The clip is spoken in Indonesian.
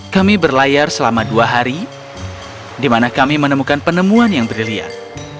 kami berlayar selama dua hari di mana kami menemukan penemuan yang brilian